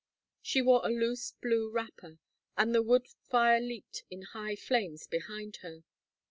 She wore a loose blue wrapper, and the wood fire leaped in high flames behind her.